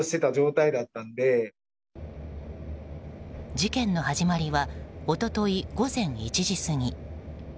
事件の始まりは一昨日午前１時過ぎ。